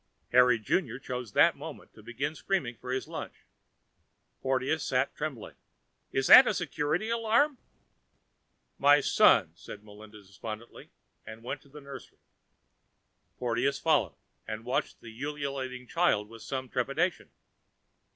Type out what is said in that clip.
_ Harry Junior chose that moment to begin screaming for his lunch. Porteous sat, trembling. "Is that a Security Alarm?" "My son," said Melinda despondently, and went into the nursery. Porteous followed, and watched the ululating child with some trepidation.